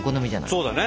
そうだね。